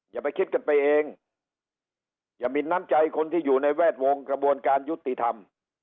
อย่าไปคิดกันไปเองอย่ามินน้ำใจคนที่อยู่ในแวดวงกระบวนการยุติธรรม